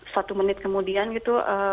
satu menit kemudian gitu